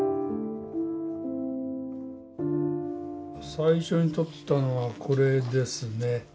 最初に撮ったのがこれですね。